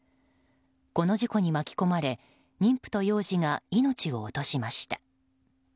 この事故に巻き込まれ妊婦と幼児が命を落としました。